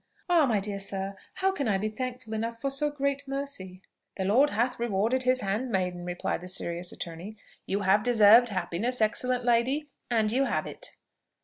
Ah, my dear sir! how can I be thankful enough for so great mercy!" "The Lord hath rewarded his handmaiden," replied the serious attorney. "You have deserved happiness, excellent lady, and you have it."